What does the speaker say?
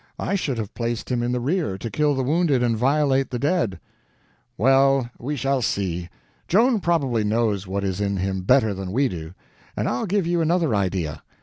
I should have placed him in the rear to kill the wounded and violate the dead." "Well, we shall see. Joan probably knows what is in him better than we do. And I'll give you another idea.